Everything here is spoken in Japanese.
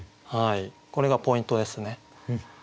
これがポイントですね。